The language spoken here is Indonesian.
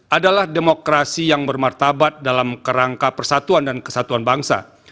adalah demokrasi yang bermartabat dalam kerangka persatuan dan kesatuan bangsa